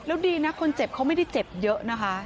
แล้วดีนะคนเจ็บเขาไม่ได้เจ็บเยอะนะคะ